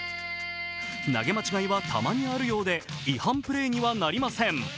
投げ間違いはたまにあるようで違反プレーにはなりません。